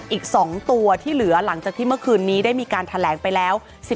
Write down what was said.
อีก๒ตัวที่เหลือหลังจากที่เมื่อคืนนี้ได้มีการแถลงไปแล้ว